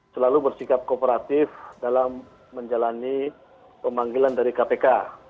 selalu bersikap kooperatif dalam menjalani pemanggilan dari kpk